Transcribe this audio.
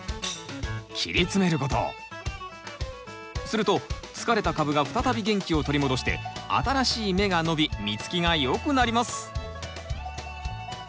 すると疲れた株が再び元気を取り戻して新しい芽が伸び実つきがよくなります。